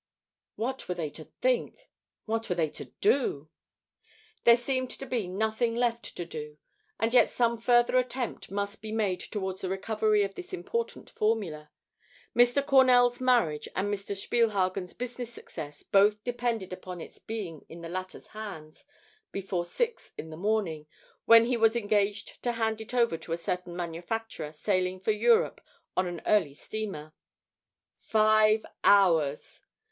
What were they to think? What were they to do? There seemed to be nothing left to do, and yet some further attempt must be made towards the recovery of this important formula. Mr. Cornell's marriage and Mr. Spielhagen's business success both depended upon its being in the latter's hands before six in the morning, when he was engaged to hand it over to a certain manufacturer sailing for Europe on an early steamer. Five hours!